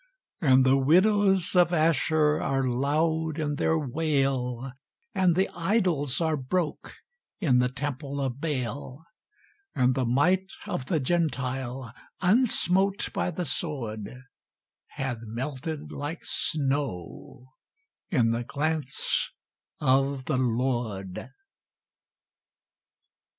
And the widows of Ashur are loud in their wail, And the idols are broke in the temple of Baal; And the might of the Gentile, unsmote by the sword, Hath melted like snow in the glance of the Lord!